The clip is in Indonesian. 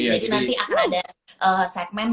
jadi nanti akan ada segmen